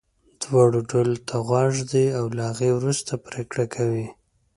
دواړو ډلو ته غوږ ږدي او له هغې وروسته پرېکړه کوي.